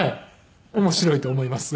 面白いと思います。